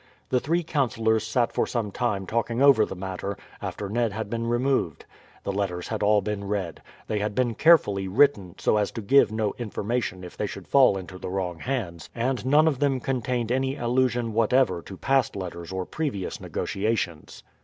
The three councillors sat for some time talking over the matter after Ned had been removed. The letters had all been read. They had been carefully written, so as to give no information if they should fall into the wrong hands, and none of them contained any allusion whatever to past letters or previous negotiations.